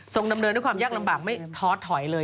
ดำเนินด้วยความยากลำบากไม่ท้อถอยเลย